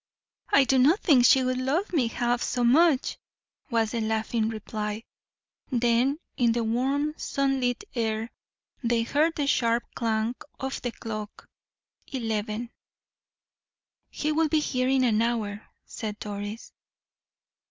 "I do not think she would love me half so much," was the laughing reply. Then, in the warm, sunlit air, they heard the sharp clang of the clock eleven. "He will be here in an hour," said Doris.